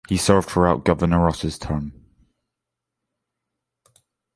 He served throughout Governor Ross's term.